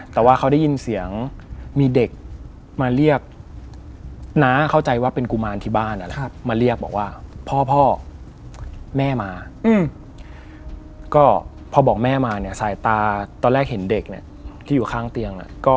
เท่าที่เจอมาเนี่ย